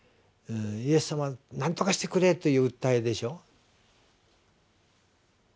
イエスさま何とかしてくれ！という訴えでしょ。